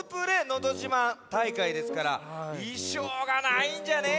のどじまん大会」ですからいしょうがないんじゃね。